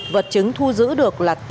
vật chứng thu giữ được là